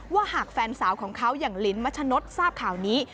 ว่าหากแฟนสาวของเขาอย่างลิ้นมัชนดทราบข่าวนี้